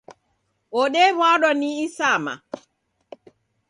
Odewadwa ni isama